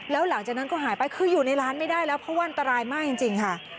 แล้วหลังจากนั้นก็หายไปคืออยู่ในร้านไม่ได้แล้วเพราะว่าอันตรายมากจริงค่ะ